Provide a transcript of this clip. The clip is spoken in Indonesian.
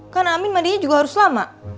kan amin mandinya juga harus lama